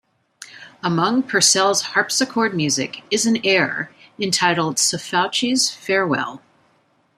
Among Purcell's harpsichord music is an air entitled "Sefauchi's Farewell".